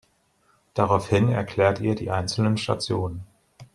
Daraufhin erklärt ihr die einzelnen Stationen.